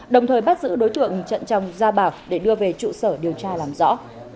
đồng thời bắt giữ đối tượng trận trọng gia bảo để đưa về trụ sở điều tra làm rõ